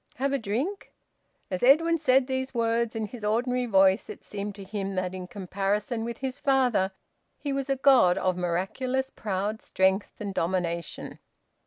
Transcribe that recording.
Have a drink?" As Edwin said these words in his ordinary voice, it seemed to him that in comparison with his father he was a god of miraculous proud strength and domination.